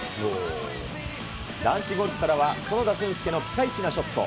男子ゴルフからは、薗田峻輔のピカイチなショット。